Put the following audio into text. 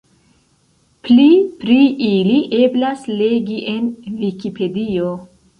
Pli pri ili eblas legi en Vikipedio.